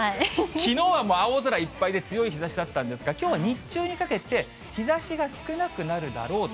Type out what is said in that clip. きのうは青空いっぱいで、強い日ざしだったんですが、きょうは日中にかけて、日ざしが少なくなるだろうと。